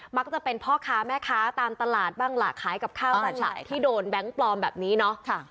จะเป็นพ่อค้าแม่ค้าตามตลาดบ้างล่ะขายกับข้าวตลาดที่โดนแบงค์ปลอมแบบนี้เนาะ